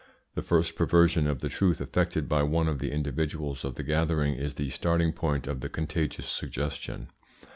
The first perversion of the truth effected by one of the individuals of the gathering is the starting point of the contagious suggestion.